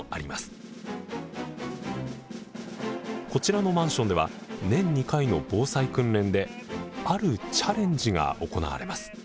こちらのマンションでは年２回の防災訓練であるチャレンジが行われます。